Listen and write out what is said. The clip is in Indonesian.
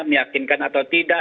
meyakinkan atau tidak